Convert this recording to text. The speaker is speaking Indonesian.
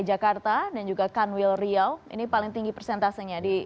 jakarta dan juga kanwil riau ini paling tinggi persentasenya